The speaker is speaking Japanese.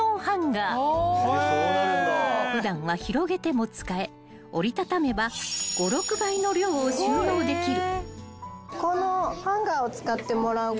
［普段は広げても使え折り畳めば５６倍の量を収納できる］